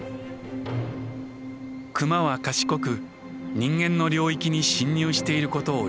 クマは賢く人間の領域に侵入していることを理解しています。